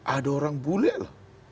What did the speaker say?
ada orang bule lah